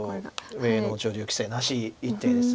上野女流棋聖らしい一手です